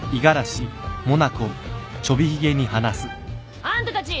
あんたたち！